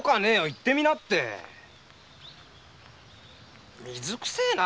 言ってみな水くせぇな。